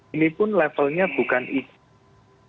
ini pun levelnya bukan itu